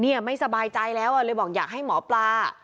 เนี่ยไม่สบายใจแล้วเลยบอกอยากให้หมอปลา